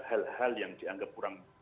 hal hal yang dianggap kurang